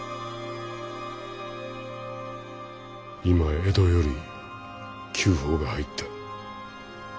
今江戸より急報が入った。